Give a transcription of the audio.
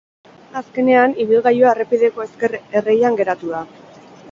Azkenean ibilgailua errepideko ezker erreian geratu da.